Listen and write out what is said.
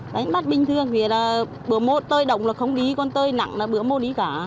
đánh bắt bình thường bữa mô tơi động là không đi con tơi nặng là bữa mô đi cả